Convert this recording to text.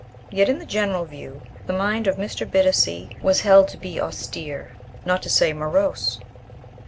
Yet in the general view the mind of Mr. Bittacy was held to be austere, not to say morose.